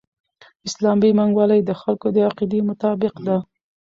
اسلامي بانکوالي د خلکو د عقیدې مطابق ده.